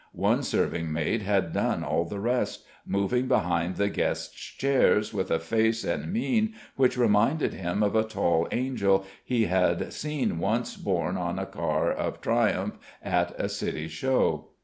One serving maid had done all the rest, moving behind the guests' chairs with a face and mien which reminded him of a tall angel he had seen once borne in a car of triumph at a City show.